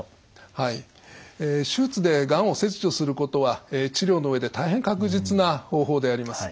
はい手術でがんを切除することは治療の上で大変確実な方法であります。